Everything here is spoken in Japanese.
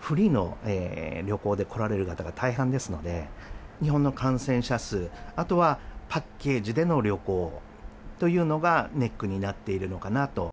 フリーの旅行で来られる方が大半ですので、日本の感染者数、あとはパッケージでの旅行というのがネックになっているのかなと。